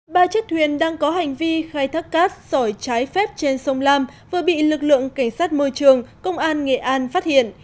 ba chiếc thuyền đang có hành vi khai thác cát sỏi trái phép trên sông lam vừa bị lực lượng cảnh sát môi trường công an nghệ an phát hiện